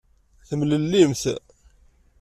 Temlellimt.